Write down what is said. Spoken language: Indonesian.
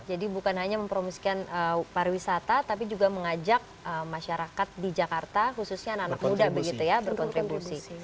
jadi bukan hanya mempromosikan pariwisata tapi juga mengajak masyarakat di jakarta khususnya anak muda begitu ya berkontribusi